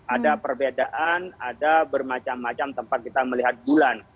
ada perbedaan ada bermacam macam tempat kita melihat bulan